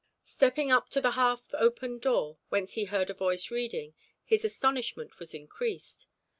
Stepping up to the half open door, whence he heard a voice reading, his astonishment was increased.